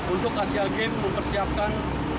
untuk asean games mempersiapkan